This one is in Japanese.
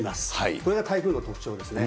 これが台風の特徴ですね。